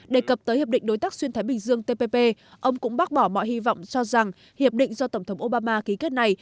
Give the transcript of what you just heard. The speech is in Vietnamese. đề cập tới hiệp định đối tác xuyên thái bình dương tpp ông cũng bác bỏ mọi hy vọng cho rằng hiệp định do tổng thống obama ký kết này